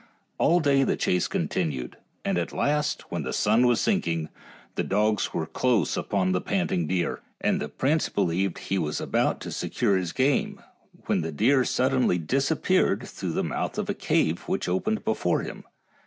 All day long the chase continued, and at last, when the sun was sinking, the dogs were close upon the panting deer, and the prince believed he was about to secure his game, when the deer sud denly disappeared through the mouth of a cave which opened before him.